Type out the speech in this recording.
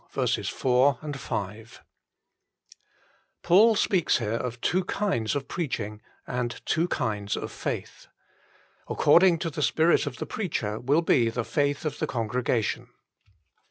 ~T)AUL speaks here of two kinds of preaching and two kinds of faith. According to the spirit of the preacher will be the faith of the congregation.